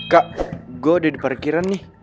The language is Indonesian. kak gue udah di parkiran nih